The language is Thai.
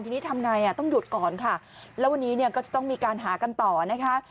ทีนี้ทำไงอ่ะต้องหยุดก่อนค่ะแล้ววันนี้เนี่ยก็จะต้องมีการหากันต่อนะคะ